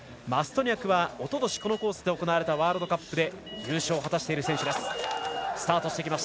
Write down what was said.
マストニャクはおととしこのコースで行われたワールドカップで優勝を果たしている選手です。